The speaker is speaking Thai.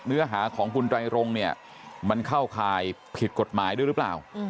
เนื้อหาของคุณไตรรงเนี่ยมันเข้าข่ายผิดกฎหมายด้วยหรือเปล่า